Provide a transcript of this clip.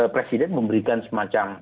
presiden memberikan semacam